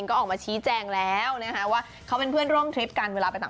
ก็เลยเป็นประเด็น